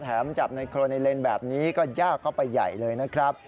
จับในโครนในเลนแบบนี้ก็ยากเข้าไปใหญ่เลยนะครับ